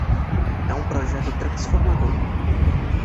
É um projeto transformador